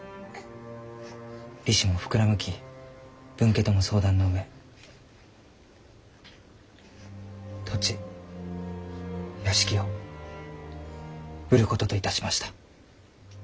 利子も膨らむき分家とも相談の上土地屋敷を売ることといたしました。